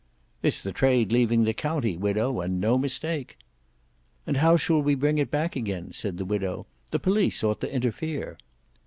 "It's the trade leaving the county, widow, and no mistake." "And how shall we bring it back again?" said the widow; "the police ought to interfere."